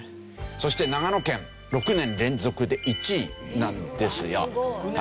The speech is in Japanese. そして長野県６年連続で１位なんですよ。